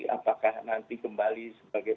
apakah nanti kembali sebagai